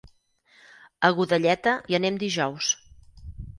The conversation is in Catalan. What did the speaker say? A Godelleta hi anem dijous.